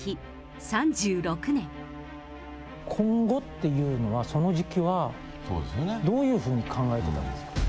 今後っていうのは、その時期は、どういうふうに考えてたんですか。